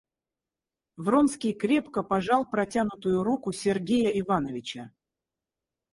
Вронский крепко пожал протянутую руку Сергея Ивановича.